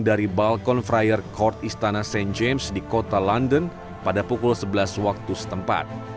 dari balkon fryer court istana st james di kota london pada pukul sebelas waktu setempat